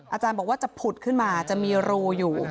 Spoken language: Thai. อาจารย์บอกว่าจะผุดขึ้นมาจะมีรูอยู่